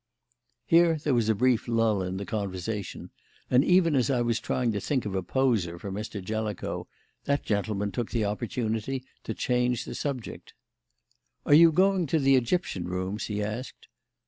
Here there was a brief lull in the conversation, and, even as I was trying to think of a poser for Mr. Jellicoe, that gentleman took the opportunity to change the subject. "Are you going to the Egyptian Rooms?" he asked.